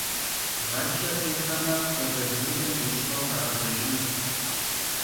Ğatxer khiheme, khualebzuxem di ş'ıp'em khağezejjınuş.